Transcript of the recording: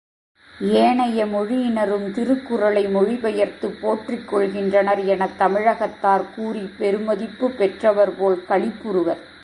ஏனைய மொழியினரும் திருக்குறளை மொழிபெயர்த்துப் போற்றிக் கொள்கின்றனர் எனத் தமிழகத்தார் கூறிப் பெருமதிப்புப் பெற்றவர்போல் களிப்புறுவர்.